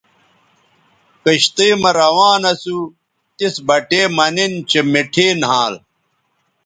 کشتئ مہ روان اسو تس بٹے مہ نِن چہء مٹھے نھال